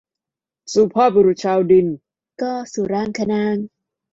สุภาพบุรุษชาวดิน - ก สุรางคนางค์